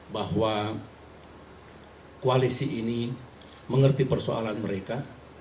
bahwa koalisi ini mengerti persoalan mereka